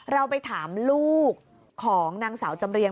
เราไปถามลูกของนางสาวจำเรียง